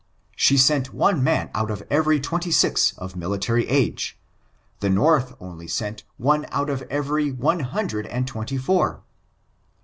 She sent one man out of every twenty six of military age — the North only sent one out of every one hundred and twenty four.